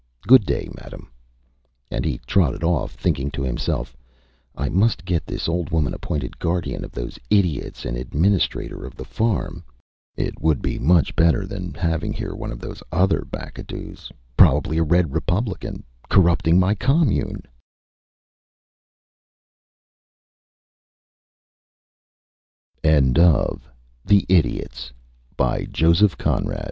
Good day, Madame.Â And he trotted off, thinking to himself: ÂI must get this old woman appointed guardian of those idiots, and administrator of the farm. It would be much better than having here one of those other Bacadous, probably a red republican, corruptin